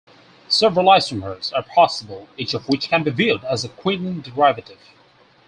Several isomers are possible, each of which can be viewed as a quinone derivative.